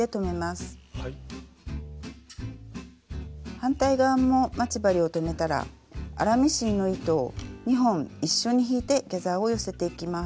反対側も待ち針を留めたら粗ミシンの糸を２本一緒に引いてギャザーを寄せていきます。